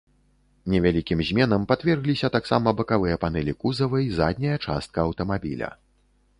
Невялікім зменам падвергліся таксама бакавыя панэлі кузава і задняя частка аўтамабіля.